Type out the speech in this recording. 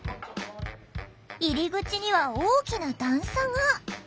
入り口には大きな段差が！